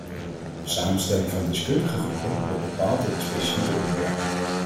De samenstelling van deskundigengroepen wordt bepaald door het specifieke onderwerp.